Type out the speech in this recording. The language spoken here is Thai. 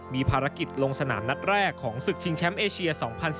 มีภารกิจลงสนามนัดแรกของศึกชิงแชมป์เอเชีย๒๐๑๙